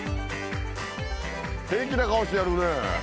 平気な顔してやるね